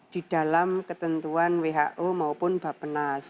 di dalam ketentuan who maupun bapenas